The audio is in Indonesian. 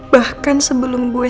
bahkan sebelum gue